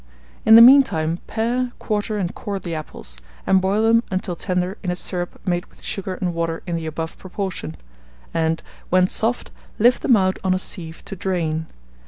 In the mean time pare, quarter, and core the apples, and boil them until tender in a syrup made with sugar and water in the above proportion; and, when soft, lift them out on a sieve to drain.